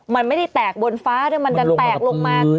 มันไม่ได้แตกบนฟ้าแต่มันดันแตกลงมา